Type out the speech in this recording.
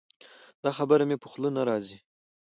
دا خبره مې په خوله نه راځي.